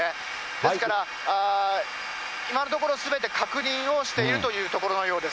ですから、今のところ、すべて確認をしているというところのようです。